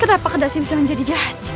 kenapa kedasi bisa menjadi jahat